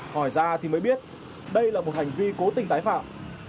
hỏi ra thì mới biết đây là một hành vi cố tình tái phạm